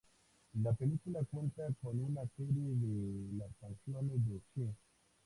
La película cuenta con una serie de las canciones de Shi.